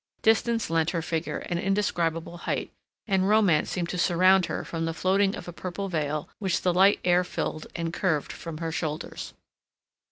Distance lent her figure an indescribable height, and romance seemed to surround her from the floating of a purple veil which the light air filled and curved from her shoulders.